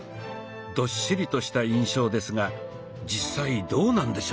どっしりとした印象ですが実際どうなんでしょう？